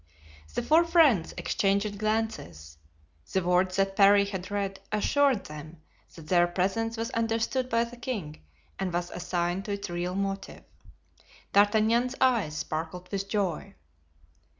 '" The four friends exchanged glances. The words that Parry had read assured them that their presence was understood by the king and was assigned to its real motive. D'Artagnan's eyes sparkled with joy.